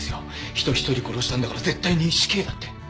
人ひとり殺したんだから絶対に死刑だって。